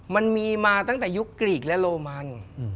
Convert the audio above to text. มันมีมาตั้งแต่ยุคกรีกและโรมัน